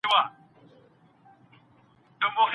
نجلۍ باید د جرم په بدل کي ورنه کړل سي.